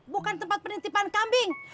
bukan tempat penitipan kambing